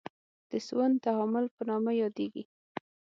د سون تعامل په نامه یادیږي.